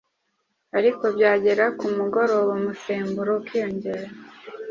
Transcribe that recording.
ariko byagera ku mugoroba umusemburo ukiyongera